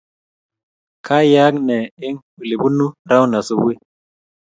kayeaka nee eng weliipunuu rauni asubui